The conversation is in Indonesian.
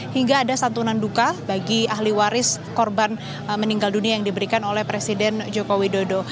hingga ada santunan duka bagi ahli waris korban meninggal dunia yang diberikan oleh presiden joko widodo